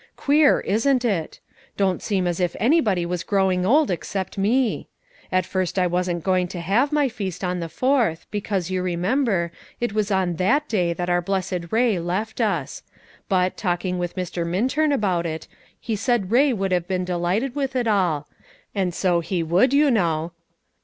Queer, isn't it? Don't seem as if anybody was growing old except me. At first I wasn't going to have my feast on the Fourth, because, you remember, it was on that day that our blessed Ray left us; but, talking with Mr. Minturn about it, he said Ray would have been delighted with it all, and so he would, you know.